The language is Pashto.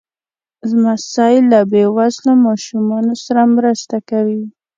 لمسی له بې وزله ماشومانو سره مرسته کوي.